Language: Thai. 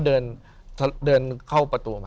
เดินเข้าประตูมา